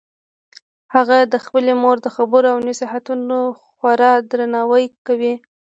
هغه د خپلې مور د خبرو او نصیحتونو خورا درناوی کوي